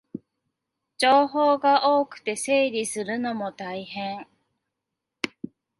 情報が多くて整理するのも大変